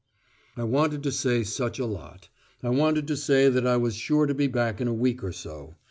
I wanted to say such a lot. I wanted to say that I was sure to be back in a week or so.